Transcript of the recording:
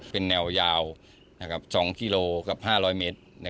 เป็นแนวยาว๒กิโลกับ๕๐๐เมตร